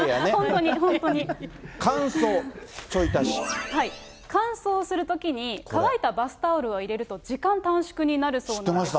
乾燥、乾燥するときに、乾いたバスタオルを入れると時間短縮になるそうなんです。